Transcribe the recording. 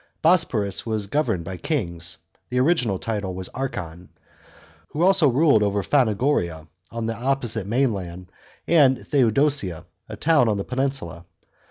* Bosporus was governed by kings, (the original title was archon), who also ruled over Phanagoria, on the opposite mainland, and Theudosia, a town on the peninsula.